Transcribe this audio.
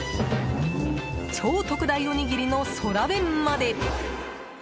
超特大おにぎりの空弁まで。